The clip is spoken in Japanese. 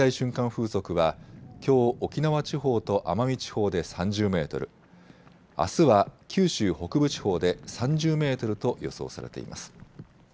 風速はきょう沖縄地方と奄美地方で３０メートル、あすは九州北部地方で３０メートルと予想されています。